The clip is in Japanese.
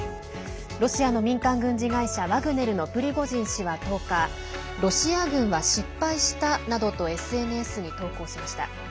ロシアの民間軍事会社ワグネルのプリゴジン氏は、１０日ロシア軍は失敗したなどとＳＮＳに投稿しました。